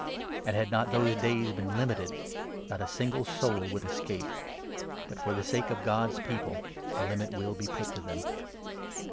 And, had not those days been limited, 22 not a single soul would escape ; but for the sake of ' God's People' a limit will be put to them.